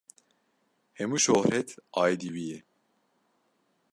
Hemû şohret aîdî wî ye.